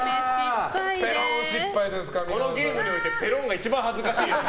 このゲームにおいてぺろーんが一番恥ずかしいよね。